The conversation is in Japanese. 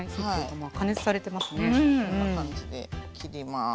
こんな感じで切ります。